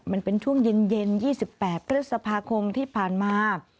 มันเป็นช่วงเย็น๒๘พฤษภาคมที่ผ่านมา